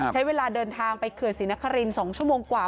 ใช้เวลาเดินทางไปเขื่อนศรีนคริน๒ชั่วโมงกว่า